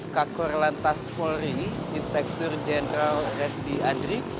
kakur lantas polri inspektur jenderal reddy andri